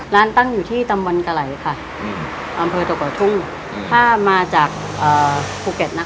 ตั้งอยู่ที่ตำบลกะไหล่ค่ะอำเภอตกเกาะทุ่งถ้ามาจากภูเก็ตนะคะ